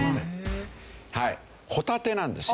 ホタテなんですよ。